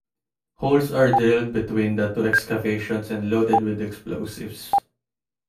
Holes are drilled between the two excavations and loaded with explosives.